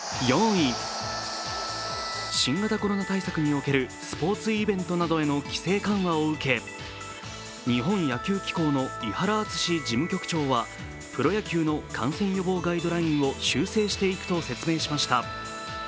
新型コロナ対策におけるスポーツイベントなどへの規制緩和を受け日本野球機構の井原敦事務局長はプロ野球の感染予防ガイドラインを修正していくと説明しました。